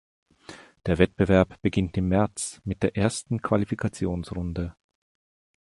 Der Wettbewerb beginnt im März mit der ersten Qualifikationsrunde.